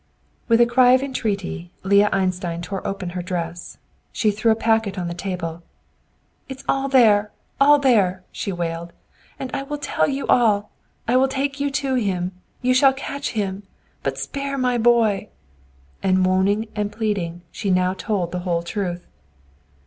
With a cry of entreaty, Leah Einstein tore open her dress. She threw a packet on the table. "It's all there, all there," she wailed. "And I will tell you all. I will take you to him. You shall catch him. But spare my boy!" And, moaning and pleading, she now told the whole truth.